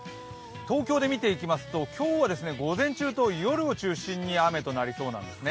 東京でみていきますと、今日は午前中と夜を中心に雨となりそうです。